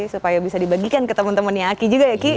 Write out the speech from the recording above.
supaya bisa dibagikan ke teman temannya aki juga ya aki